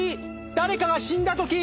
誰かが死んだとき！